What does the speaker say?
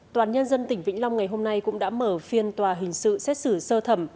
toàn nhân dân tỉnh vĩnh long ngày hôm nay cũng đã mở phiên tòa hình sự xét xử sơ thẩm